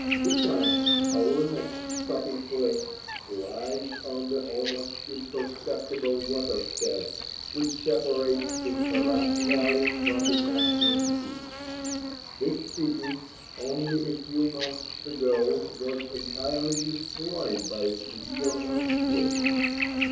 Kuchan, our next stopping place, lies on the almost imperceptible watershed which separates the Herat valley from the Caspian Sea. This city, only a few months ago, was entirely destroyed by a severe earthquake.